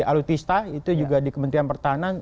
alutista itu juga di kementerian pertahanan